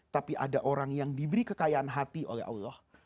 tapi ada orang yang diberi kekayaan hati oleh allah